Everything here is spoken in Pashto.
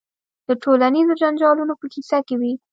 د ټولنیزو جنجالونو په کیسه کې وي.